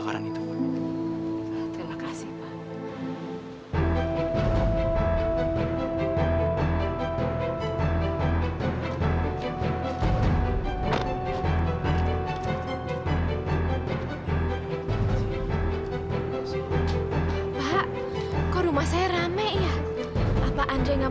saya gak mau sendirian